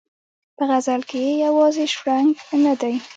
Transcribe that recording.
په غزل کې یې یوازې شرنګ نه دی.